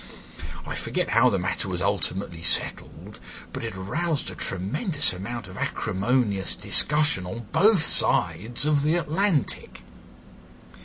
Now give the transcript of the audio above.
I forget how the matter was ultimately settled, but it aroused a tremendous amount of acrimonious discussion on both sides of the Atlantic.